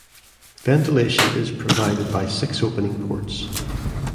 Ventilation is provided by six opening ports.